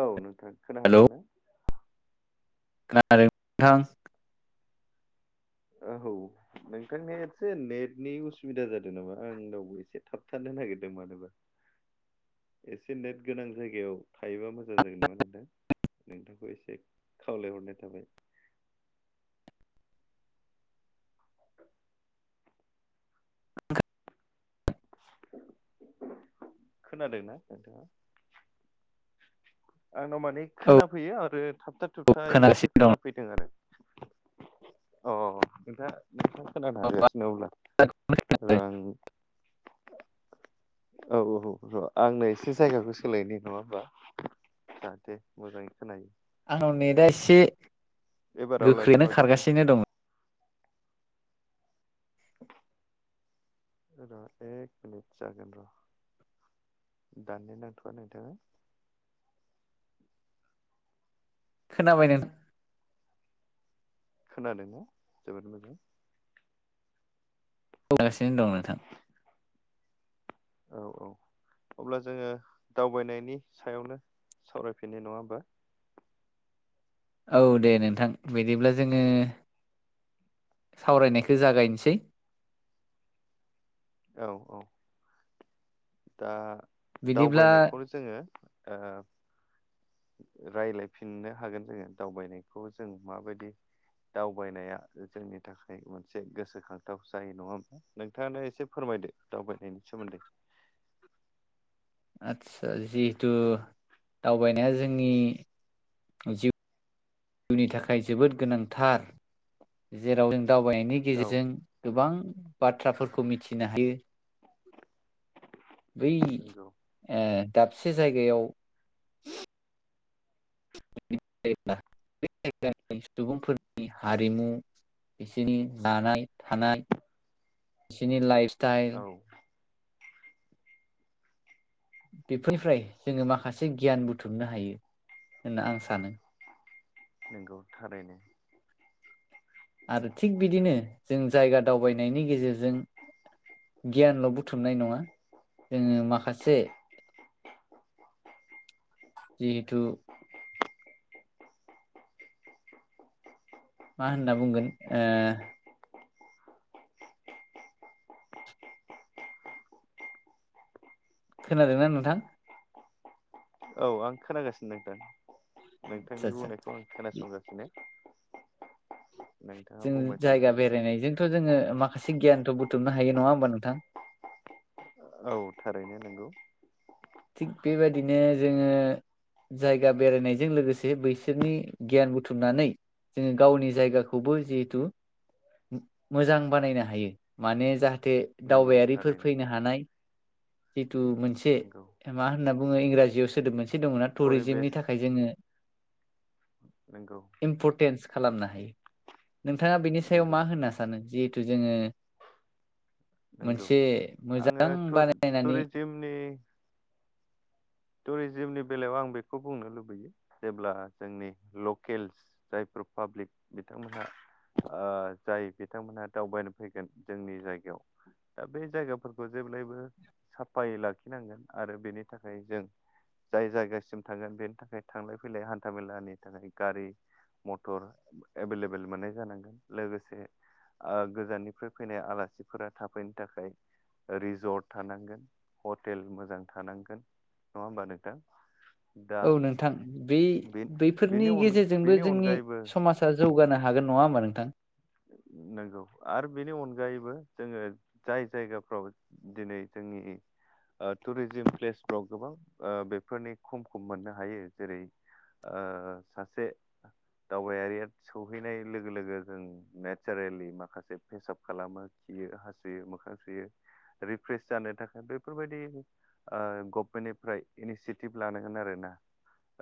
औ नोंथां हेलौ खोनादों ना खोनादों नोंथां औ नोंथांनि एसे नेटनि उसुबिदा जादों नामा आं रावबो एसे थाबथानो नागिरदों मानोबा एसे नेट गोनां जायगायाव थायोबा मोजां जागोन नामा नोंथां नोंथांखौ एसे खावलायहरनाय थाबाय [inaudible] खोनादोंना नोंथांङा आंनाव माने औ खोनाफैयो आरो थाबथा औ थुबथसे खोनागासिनो खोनाफैदों आरो। अ अ नोंथाङा नोंथा खोनानो दं हागासिनो अब्ला र' आं। औ औ औ औ आंनो एसे जायगाखौ सोलायनि नङा होमबा जाहाथे मोजाङै खोनायो आंना नेदा एसे एबारावलाय गोख्रैनो माबायदि खोना खारगासिनो दङ। र' एक मिनिट जागोन र' दाननो नांथ'वा नोंथाङा। खोनाबाय नोंथां खोनादों ना जोबोद मोजां सगासिनो दं नोंथां औ-औ अब्ला जोङो दावबायनायनि सायावनो सावरायफिननि नङा होमबा। औ दे नोंथां बिदिब्ला जोङो सावरायनायखौ जागायनोसै औ-औ दा बिदिब्ला दावबायनायखौनो जोङो ओ रायलायफिननो हागोन जोङो दावबायनायखौ जों माबायदि दावबायनाया जोंनि थाखाय मोनसे गोसोखांथाव जायो नङा नोंथाङानो एसे फोरमाय बायदि दावबायनायनि सोमोन्दै आदसा जिहेथु दावबायनाया जोंनि जिउ जिउनि थाखाय जोबोद गोनांथार जेराव जों दावबायनायनि औ गेजेरजों गोबां बाथ्राफोरखौ मिथिनो हायो। बै नंगौ ओ दाबसे जायगायाव [unintelligible] बिसोरनि जानाय थानाय बिसिनि लाइफ औ टाइल [inaudible] बेफोरनिफ्राय जोङो माखासे गियान बुथुमनो हायो होनना आं सानो। औ थारैनो आरो थिग बिदिनो जों जायगा दावबायनायनि गेजेरजों गियानल' बुथुमनाय नङा जोङो माखासे। जिहेथु मा होनना बुंगोन ओ खोनादोंना नोंथां? औ आं खोनागासिनो नोंथां आदसा नोंथांनि आदसा बुंनायखौ आं खोनासंगासिनो नोंथाङा जों बुंबाय थानो जायगा हागोन दे बेरायनायजोंथ' जोङो माखासे गियान थ' बुथुमनो हायो नङा होमबा नोंथां औ थारैनो नंगौ थिग बेबायदिनो जोङो जायगा बेरायनायजों लोगोसे बैसोरनि गियान बुथुमनानै जोङो गावनि जायगाखौबो जिहेथु मोजां बानायनो हायो। माने जाहाथे नंगौ दावबायारिफोर थारैनो फैनो हानाय जिथु मोनसे नंगौ। मा होनना बुङो इंराजियाव सोदोब मोनसे दङ ना परिबेस टुरिजिमनि थाखाय जोङो नंगौ इम्पर्टेन्स खालामनो हायो नोंथाङा बेनि सायाव नंगौ मा होनना सानो जिहेथु जोङो नंगौ मोनसे मोजां आङो बानायनानै टुरिजिमनि टुरिजिमनि बेलायाव आं बेखौ बुंनो लुबैयो जेब्ला जोंनि लकेल्स जाय रिपाब्लिक बिथांमोनहा ओ-जाय बिथांमोनहा दावबायनो फैगोन जोंनि जायगायाव दा बे जायगाफोरखौ जों जेब्लायबो साफायै लाखिनांगोन आरो बेनि थाखाय जों जाय जायगासिम थांगोन बेनि थाखाय थांलाय फैलाय हान्था बेलानि थाखाय गारि मटर एभेलेबेल मोननाय जानांगोन लोगोसे ओ गोजाननिफ्राय फैनाय आलासिफोरा थाफैनो थाखाय रिजर्ट थानांगोन हटेल मोजां थानांगोन नङा होमबा नोंथां? दा औ नोंथां बे बेनि बैफोरनि अन गेजेरजोंबो बेनि जोंनि अनगायैबो समाजा जौगानो हागोन नङा होमबा नोंथां? [inaudible] नांगौ आरो बेनि अनगायैबो जोङो जाय जायगाफ्राव दिनै जोंनि ओ- टुरिजिम प्लेसफोराव गोबां ओ-बेफोरनि खमखौ मोननो हायो। जेरै - ओ सासे दावबायारिया सहैनाय लोगो लोगो जों नेचारेलि माखासे फेसप खालामो खियो हासुयो मोखां सुयो रिफ्र्रेस जानो थाखाय बेफोरबायदि ओ गभमेन्टनिफ्राय इनिसियेटिभ लानांगोन आरोना।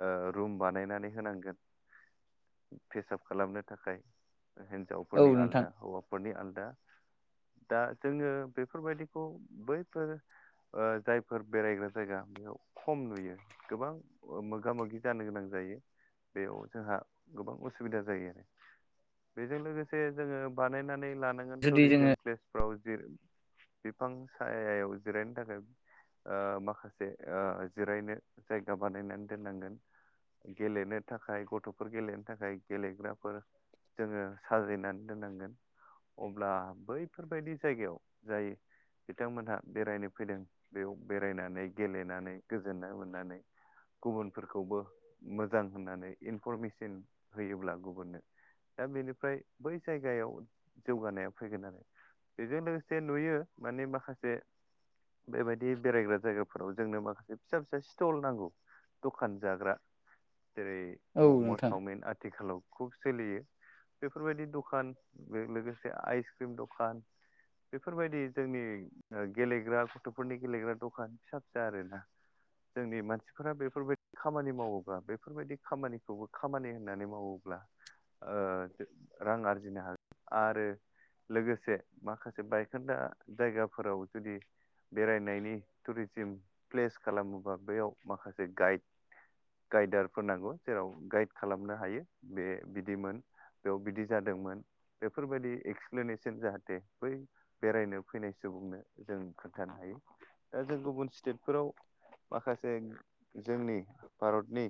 ओ रुम बानायनानै होनांगोन फेसाब खालामनो थाखाय। औ हौवाफोरनि नोंथां आलदा हौवाफोरनि आलदा। दा जोङो बेफोरबायदिखौ बैफोर ओ जायफोर बेरायग्रा जायगा बेयाव खम नुयो गोबां मोगा मोगि जानो गोनां जायो [unintelligible] बेयाव जोंहा गोबां उसुबिदा जायो आरो बेजों लोगो एसे जोङो बानायनानै लानांगोन जुदि जोङो टुरिजिम प्लेस फोराव जे बिफां सायायाव जिरायनो थाखाय ओ माखासे ओ जिरायनो जायगा बानायनानै दोननांगोन। गेलेनो थाखाय गथ'फोर गेलेनो थाखाय गेलेग्राफोर जोङो साजायनानै दोननांगोन अब्ला बैफोरबायदि जायगायाव जाय बिथांमोनहा बेरायनो फैदों बेयाव बेरायनानै गेलेनानै गोजोननाय मोननानै गुबुनफोरखौबो मोजां होननानै इनफरमेसन होयोब्ला गुबुननो दा बेनिफ्राय बै जायगायाव जौगानाया फैगोन आरो। बेजों लोगोसे नुयो माने माखासे बेबायदि दखान जाग्रा जेरै औ मम' नोंथां सावमिन आथिखालाव खुब सोलियो। बेफोरबायदि दखान लोगोसे आइस क्रिम दखान बेफोरबायदि जोंनि ओ गेलेग्रा गथ'फोरनि गेलेग्रा दखान फिसा फिसा आरोना जोंनि मानसिफोरा बेफोरबायदि खामानि मावोब्ला बेफोरबायदि खामानिखौबो खामानि होननानै मावो [unintelligible] ओ रां आरजिनो हागोन आरो लोगोसे माखासे बायखोन्दा जायगाफोराव जुदि बेरायनायनि टुरिजिम प्लेस खालामोबा बेयाव माखासे गाइड गाइदारफोर नांगौ जेराव गाइड खालामनो हायो बे बिदिमोन बेयाव बिदि जादोंमोन बेफोरबायदि एक्सप्लेनेसन जाहाथे बै बेरायनो फैनाय सुबुं बुंनो जों खोन्थानो हायो दा जों गुबुन स्टेटफोराव माखासे जोंनि भारतनि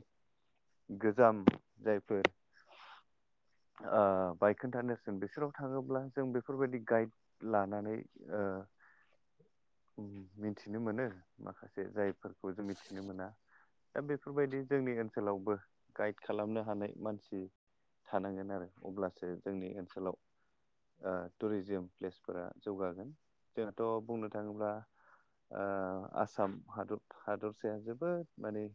गोजाम जायफोर ओ बाइक खोन्थानेसन बिसोराव थाङोब्ला जों बेफोरबायदि गाइड लानानै ओ मिथिनो मोनो माखासे जायफोरखौ जों मिथिनो मोना। दा बेफोरबायदि जोंनि ओनसोलावबो गाइड खालामनो हानाय मानसि थानांगोन आरो अब्लासो जोंनि ओनसोलाव ओ टुरिजियोम प्लेसफोरा जौगागोन जोंहाथ' बुंनो थाङोब्ला ओ आसाम हादर हादरसाया जोबोद माने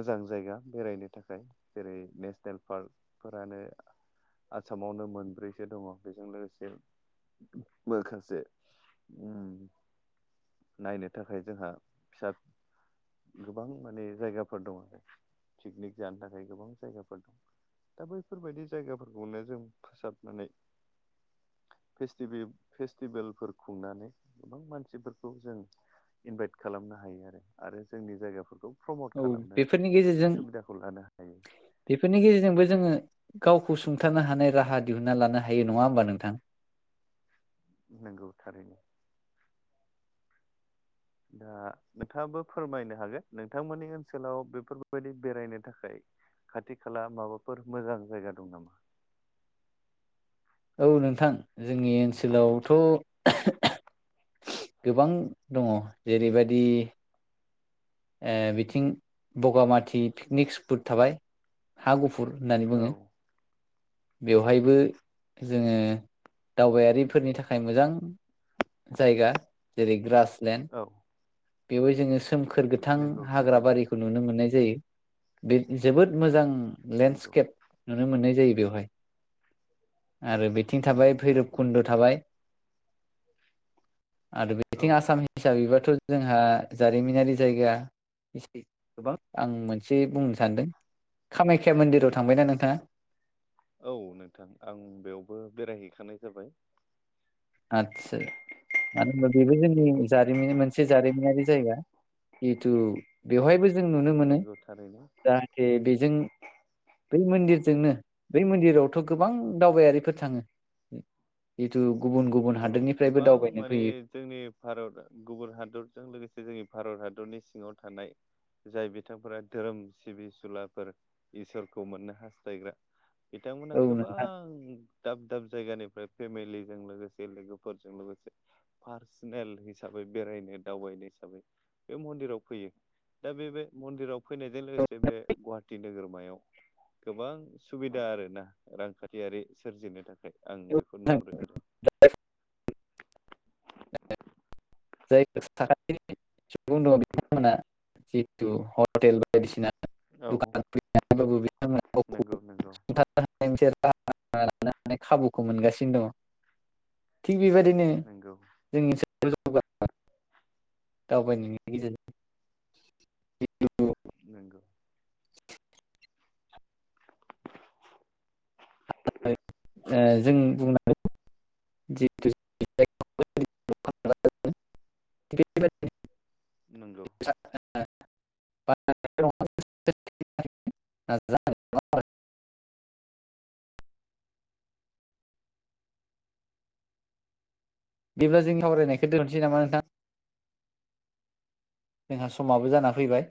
मोजां जायगा बेरायनो थाखाय जेरै नेसनेल पार्कफोरानो आसामावनो मोनब्रैसो दङ बेजों लोगोसे माखासे उम नायनो थाखाय जोंहा फिसा गोबां माने जायगाफोर दंङ पिकनिक जानो थाखाय गोबां जायगाफोर दा बैफोरबायदि जायगाफोरखौनो जों फोसाबनानै फेस्टिभि फेस्टिभेलफोर खुंनानै गोबां मानसिफोरखौ जों इनभाइट खालामनो हायो आरो आरो जोंनि जायगाफोरखौ प्रमट औ खालामनो बेफोरनि गेजेरजों सुबिदाखौ लानो हायो बेफोरनि गेजेरजोंबो जोङो गावखौ सुंथानो हानाय राहा दिहुनना लानो हायो नङा होमबा नोंथां। नंगौ थारैनो दा नोंथाङाबो फोरमायनो हागोन नोंथांमोननि ओनसोलाव बेफोरबायदि बेरायनो थाखाय खाथि खाला माबाफोर मोजां जायगा दं नामा औ नोंथां जोंनि ओनसोलावथ' गोबां दङ जेरैबायदि ओ बिथिं बगामाथि पिकनिक स्पट थाबाय हा गुफुं गुफुर होननानै बुङो। औ बेवहायबो जोङो दावबायारिफोरनि थाखाय मोजां जायगा जेरै ग्रास औ बेवहाय जोङो सोमखोर गोथां नंगौ हाग्रा थारैनो बारिखौ नुनो मोननाय जोबोद मोजां नंगौ लेणडस्केप नुनो मोननाय जायो बेवहाय आरो बिथिं नंगौ थाबाय भैरब थारैनो कुन्द' थाबाय आरो औ बेथिं आसाम हिसाबैबाथ' जोंहा जारिमिनारि जायगा एसे गोबां आं मोनसे बुंनो सानदों। कामाख्या मन्दिराव थांबायना नोंथाङा औ नोंथां आं बेयावबो बेरायहैखानाय जाबाय। आतसा मानो होनबा बेबो जोंनि जारिमिन मोनसे जारिमिनारि जायगा जिथु बेवहायबो जों नुनो मोनो नंगौ थारैनो जाहाथे बै मन्दिरावथ' गोबां दावबायारिफोर थाङो जिथु नंगौ गोबां माने जोंनि भारत गुबुन हादरजों लोगोसे जोंनि भारत हा हादरनि सिङाव थानाय जाय बिथांफोरा धोरोम सिबिसुलाफोर इसोरखौ मोननो हास्थायग्रा बिथांमोना औ गोबां नोंथां दाब दाब जायगानिफ्राय फेमिलिजों लोगोस लोगोफोरजों लोगोसे पारस्नेल हिसाबै बेरायनो दावबायनो हिसाबै बे राव फैयो दा बे बे मन्दिराव फैनायजों लोगोसे बे गुवाहाटि नोगोराव गोबां सुबिदा आरोना रांखान्थियारि सोरजिनो थाखाय आं बेखौ जाय नुहुरो आरो। [unintelligible] [unintelligible] जायफोर साखाथि सुबुं दङ बिथांमोना जिथु हटेल बायदिसिना [unintelligible] औ नंगौ नंगौ मोनसे राहा लानो हानाय खाबुखौ मोनगासिनो दङ। बेबायदिनो नंगौ जोंनि गोबां दावबायनायनि गेजेरजों [unintelligible] नोंगौ। [unintelligible] जों बुंनानै जिथु [unintelligible] [unintelligible] नोंगौ। [unintelligible] [inaudible] बिदिब्ला जों सावरायनायखौ दोननोसै नामा नोंथां? जोंहा समाबो जाना फैबाय।